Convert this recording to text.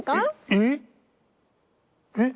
えっえっ？